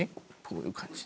こういう感じ。